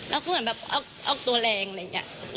แล้วก็เหมือนแบบเอาตัวแรงอะไรอย่างนี้